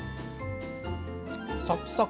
サクサク。